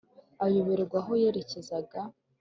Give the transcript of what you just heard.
ayoberwa aho yerekezaga.